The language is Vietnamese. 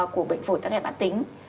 của bệnh phối tăng hẹn bản tính